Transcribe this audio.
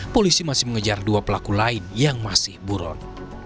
polisi masih mengejar dua pelaku lain yang masih buron